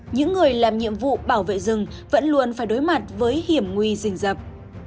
những người làm nhiệm vụ bảo vệ rừng vẫn luôn phải đối mặt với hiểm nguy dình dập